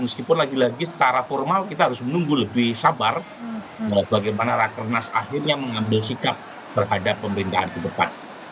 meskipun lagi lagi secara formal kita harus menunggu lebih sabar bagaimana rakernas akhirnya mengambil sikap terhadap pemerintahan ke depan